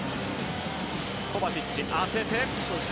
コバチッチ当てて。